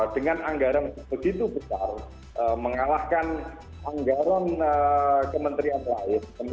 dengan anggaran yang begitu besar mengalahkan anggaran kementerian lain